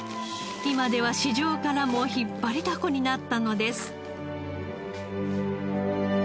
今では市場からも引っ張りだこになったのです。